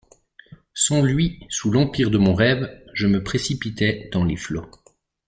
Sans lui, sous l’empire de mon rêve, je me précipitais dans les flots.